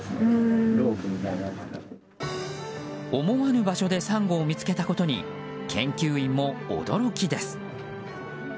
思わぬ場所でサンゴを見つけたことに研究員も驚きです。